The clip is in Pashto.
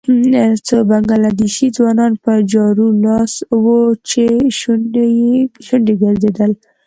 څو بنګله دېشي ځوانان په جارو لاس وچې شونډې ګرځېدل.